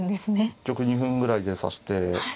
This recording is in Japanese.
一局２分ぐらいで指して終わる。